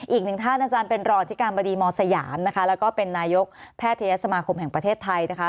อีกหนึ่งท่านอาจารย์เป็นรองอธิการบดีมสยามนะคะแล้วก็เป็นนายกแพทยศมาคมแห่งประเทศไทยนะคะ